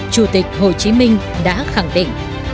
chủ tịch hồ chí minh đã khẳng định